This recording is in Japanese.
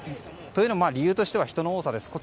というのも理由としては人の多さです。